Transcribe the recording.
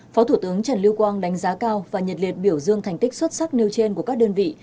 phó thủ tướng trần lưu quang đánh giá cao và nhiệt liệt biểu dương thành tích xuất sắc nêu trên của các đơn vị